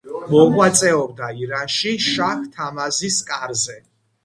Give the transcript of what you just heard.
მოღვაწეობდა ირანში, შაჰ-თამაზის კარზე.